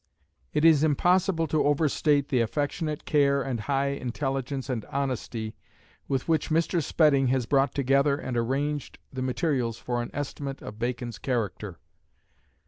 It is impossible to overstate the affectionate care and high intelligence and honesty with which Mr. Spedding has brought together and arranged the materials for an estimate of Bacon's character.